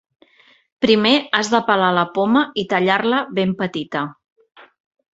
Primer has de pelar la poma i tallar-la ben petita.